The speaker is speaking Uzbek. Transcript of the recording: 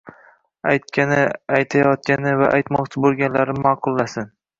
Aytgani, aytayotgani va aytmoqchi bo‘lganlarini ma’qullasin.